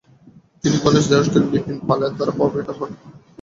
তিনি গণেশ দেউস্কর ও বিপিন পালের দ্বারা প্রভাবিত হন।